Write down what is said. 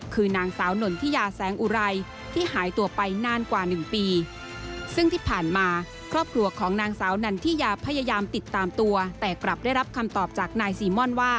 คือนางสาวนนทิยาแสงอุไรที่หายตัวไปนานกว่า๑ปี